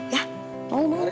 ya mau neng